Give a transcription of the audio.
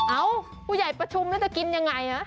เอ้าผู้ใหญ่ประชุมแล้วจะกินยังไงนะ